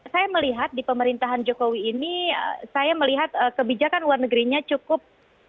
saya melihat di pemerintahan jokowi ini saya melihat kebijakan luar negerinya cukup